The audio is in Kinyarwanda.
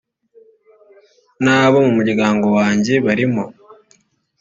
ntabo mu muryango wanjye barimo